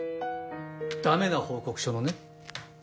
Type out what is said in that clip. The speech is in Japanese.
駄目な報告書のね。